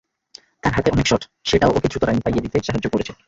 তার হাতে অনেক শট, সেটাও ওকে দ্রুত রান পাইয়ে দিতে সাহায্য করেছে।